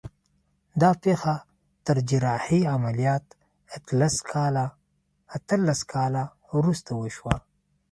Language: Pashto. دا پېښه تر جراحي عملیات اتلس کاله وروسته وشوه